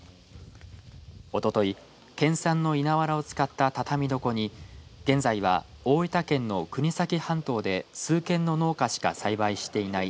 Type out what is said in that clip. おととい県産の稲わらを使った畳床に現在は大分県の国東半島で数軒の農家しか栽培していない